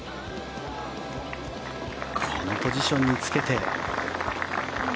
このポジションにつけて。